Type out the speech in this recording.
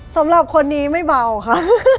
สำหรับคนนี้ไม่เบาค่ะ